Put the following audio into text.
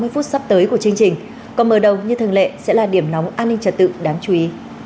ba mươi phút sắp tới của chương trình còn mở đầu như thường lệ sẽ là điểm nóng an ninh trật tự đáng chú ý